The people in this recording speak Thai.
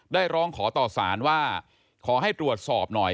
ร้องขอต่อสารว่าขอให้ตรวจสอบหน่อย